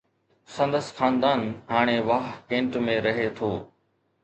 سندس خاندان هاڻي واهه ڪينٽ ۾ رهي ٿو.